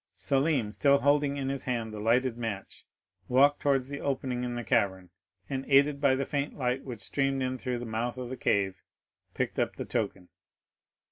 Selim, still holding in his hand the lighted match, walked towards the opening in the cavern, and, aided by the faint light which streamed in through the mouth of the cave, picked up the token.